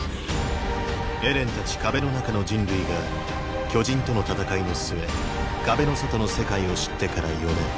エレンたち壁の中の人類が巨人との戦いの末壁の外の世界を知ってから４年。